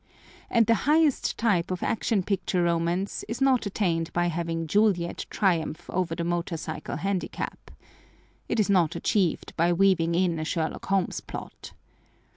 And the highest type of Action Picture romance is not attained by having Juliet triumph over the motorcycle handicap. It is not achieved by weaving in a Sherlock Holmes plot.